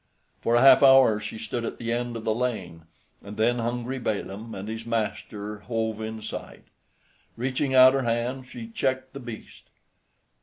For a half hour she stood at the end of the lane, and then hungry Balaam and his master hove in sight. Reaching out her hand, she checked the beast.